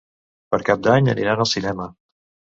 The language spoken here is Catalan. Per Cap d'Any aniran al cinema.